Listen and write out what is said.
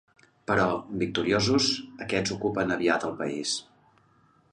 Però, victoriosos, aquests ocupen aviat el país.